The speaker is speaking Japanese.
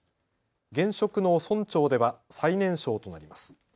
現職の村長では最年少となります。